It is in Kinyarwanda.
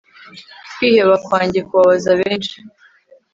Kwiheba kwanjye kubabaza benshi